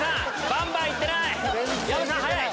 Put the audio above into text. バンバン行ってない。